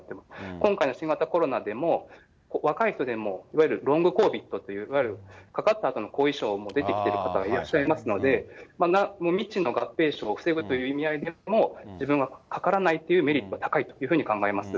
今回の新型コロナでも、若い人でもいわゆるロングコビッドという、いわゆるかかったあとの後遺症も出てきてる方がいらっしゃいますので、未知の合併症を防ぐという意味合いでも、自分がかからないっていうメリットは高いというふうに考えます。